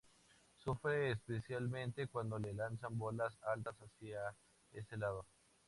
Sufre especialmente cuando le lanzan bolas altas hacia ese lado.